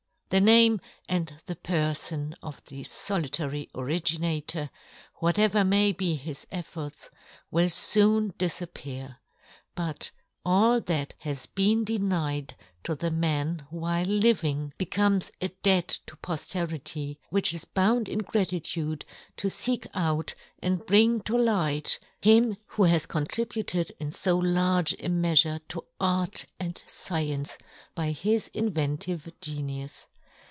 The name and the perfon of the folitary originator, 48 "John Gutenberg. whatever may be his efforts, will foon difappear; but all that has been denied to the man while living, becomes a debt to pofterity, which is bound in gratitude to feek out and bring to light him who has contributed in fo large a meafure to art and fcience by his inventive genius.